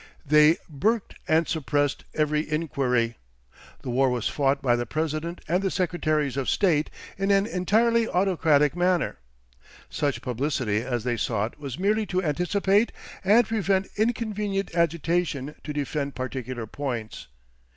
They burked and suppressed every inquiry. The war was fought by the President and the Secretaries of State in an entirely autocratic manner. Such publicity as they sought was merely to anticipate and prevent inconvenient agitation to defend particular points.